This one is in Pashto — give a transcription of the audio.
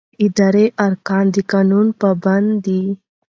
اداري ارګان د قانون پابند دی.